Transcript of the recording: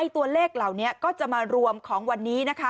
ตัวเลขเหล่านี้ก็จะมารวมของวันนี้นะคะ